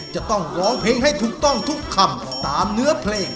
จะต้องร้องเพลงให้ถูกต้องทุกคำตามเนื้อเพลง